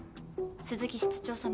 鈴木室長様